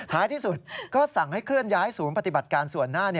ที่สุดก็สั่งให้เคลื่อนย้ายศูนย์ปฏิบัติการส่วนหน้า